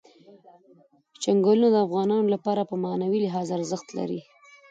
چنګلونه د افغانانو لپاره په معنوي لحاظ ارزښت لري.